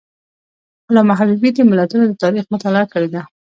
علامه حبیبي د ملتونو د تاریخ مطالعه کړې ده.